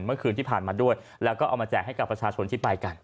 เมื่อคืนที่ผ่านมาด้วยแล้วก็เอามาแจกให้กับประชาชนที่ไปกัน